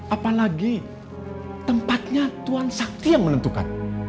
apalagi tempatnya tuhan sakti yang menentukan